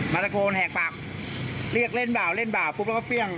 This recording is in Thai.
มาชะโกนแห่งปากเรียกเล่นเบาเล่นเบาปุ๊บแล้วก็เพรี้ยง